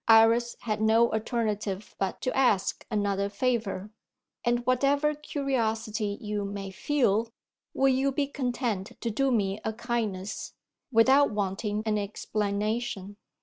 Iris had no alternative but to ask another favour. "And whatever curiosity you may feel, will you be content to do me a kindness without wanting an explanation?"